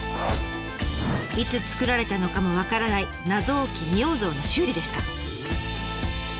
いつ作られたのかも分からない謎多き仁王像の修理でした。